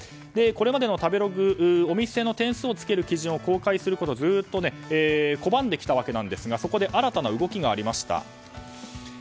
これまでの食べログお店の点数をつける基準を公開することをずっと拒んできたわけですがそこで新たな動きがありました。